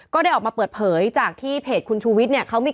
ก็ได้ออกมาเปิดเผยจากที่เพจคุณชูวิทย์เนี่ย